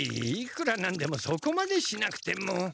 いくら何でもそこまでしなくても！